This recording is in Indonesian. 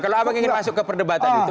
kalau abang ingin masuk ke perdebatan itu